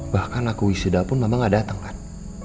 bahkan aku wisuda pun mama gak dateng kan